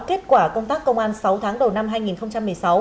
kết quả công tác công an sáu tháng đầu năm